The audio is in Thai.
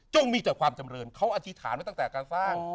มีแต่ความจำเริญเขาอธิษฐานไว้ตั้งแต่การสร้าง